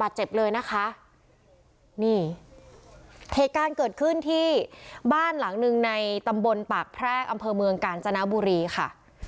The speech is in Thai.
บาดเจ็บเลยนะคะนี่เหตุการณ์เกิดขึ้นที่บ้านหลังหนึ่งในตำบลปากแพรกอำเภอเมืองกาญจนบุรีค่ะ